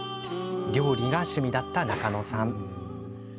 料理が趣味だった中野さん。